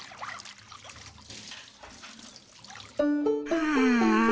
はあ。